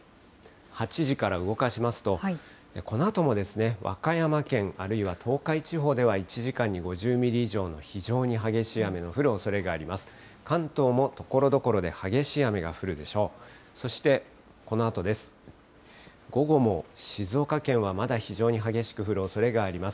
８時から動かしますと、このあとも和歌山県、あるいは東海地方では１時間に５０ミリ以上の非常に激しい雨の降るおそれがあります。